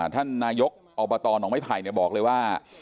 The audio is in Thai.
ท่านนายกอบตหนองไม้ไผ่บอกเลยว่า